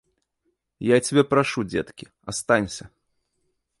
Я цябе прашу, дзеткі, астанься!